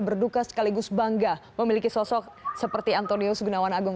berduka sekaligus bangga memiliki sosok seperti antonio sugunawan agung